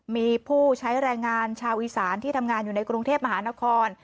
มีผู้ใช้แรงงานชาวอีสานที่ทำงานอยู่ในกรุงเทพมหานคร